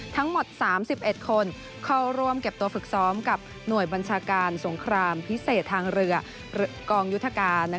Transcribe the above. ทั้งหมด๓๑คนเข้าร่วมเก็บตัวฝึกซ้อมกับหน่วยบัญชาการสงครามพิเศษทางเรือกองยุทธการ